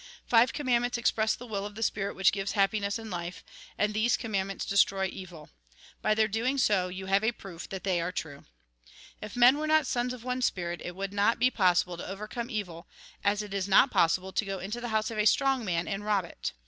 Five commandments express the will of the Spirit which gives happiness and life. And these commandments destroy evil. By their doing so, you have a proof that they are true. " If men were not sons of one spirit, it would not be possible to overcome evil ; as it is not possible to go into the house of a strong man, and rob it.